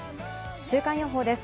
週間予報です。